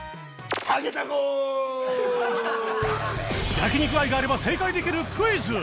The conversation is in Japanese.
焼肉愛があれば正解できるクイズ